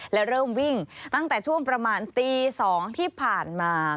และเริ่มวิ่งตั้งแต่ช่วงประมาณตี๒ที่ผ่านมา